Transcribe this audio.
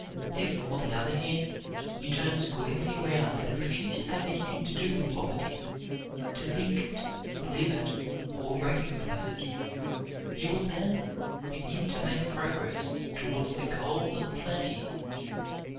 If, on the other hand, you turn squarely around and refuse to have anything to do with poverty, to think it, live it, or recognize it you will then begin to make progress towards the goal of plenty.